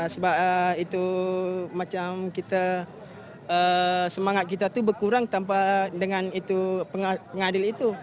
sebab itu macam kita semangat kita itu berkurang tanpa dengan itu pengadil itu